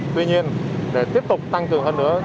tuy nhiên để tiếp tục tăng cường hơn nữa